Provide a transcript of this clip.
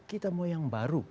kita mau yang baru